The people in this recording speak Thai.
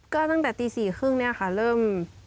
ก็ตั้งแต่ตี๔๓๐นเริ่ม